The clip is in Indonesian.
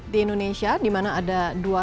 di indonesia di mana ada